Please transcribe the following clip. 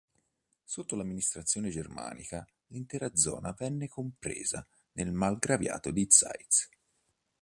Sotto l'amministrazione germanica l'intera zona venne compresa nel Margraviato di Zeitz.